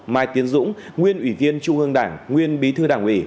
mai tiến dũng nguyên ủy viên trung ương đảng nguyên bí thư đảng ủy